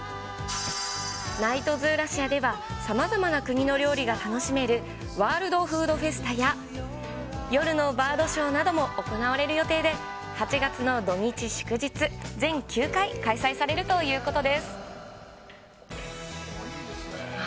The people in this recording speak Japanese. ナイトズーラシアでは、さまざまな国の料理が楽しめるワールドフードフェスタや、夜のバードショーなども行われる予定で、８月の土日祝日、全９回、開催さいいですね。